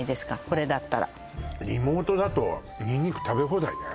これだったらリモートだとにんにく食べ放題ね